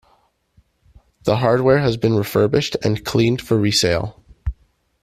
The hardware has been refurbished and cleaned for resale.